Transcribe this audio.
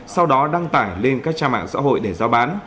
sau đó đăng tải lên các trang mạng xã hội để giao bán